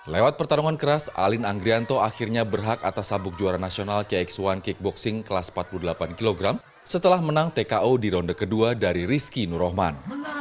lewat pertarungan keras alin anggrianto akhirnya berhak atas sabuk juara nasional kx satu kickboxing kelas empat puluh delapan kg setelah menang tko di ronde kedua dari rizky nur rahman